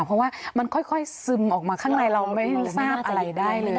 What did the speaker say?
เพราะว่ามันค่อยซึมออกมาข้างในเราไม่ทราบอะไรได้เลย